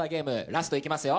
ラストいきますよ！